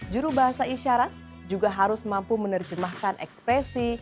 jurubahasa isyarat juga harus mampu menerjemahkan ekspresi